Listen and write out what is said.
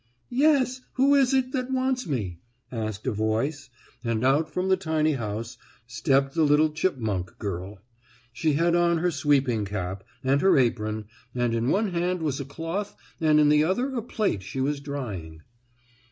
"Yes, who is it that wants me?" asked a voice, and out from the tiny house stepped the little chipmunk girl. She had on her sweeping cap, and her apron, and in one hand was a cloth and in the other a plate she was drying.